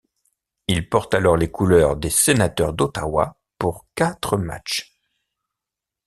Il porte alors les couleurs des Sénateurs d'Ottawa pour quatre matchs.